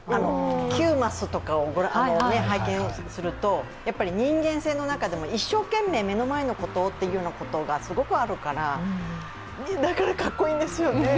９マスを拝見すると、人間性というか一生懸命目の前のことをということがすごくあるからだからかっこいいんですよね。